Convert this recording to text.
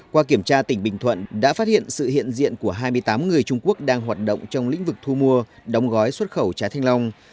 qua kiểm tra tỉnh bình thuận đã phát hiện sự hiện diện của hai mươi tám người trung quốc đang hoạt động trong lĩnh vực thu mua đóng gói xuất khẩu trái thanh long